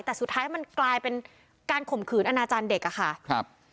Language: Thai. แต่สุดท้ายมันกลายเป็นการข่มขืนอนาจารย์เด็กอะค่ะครับ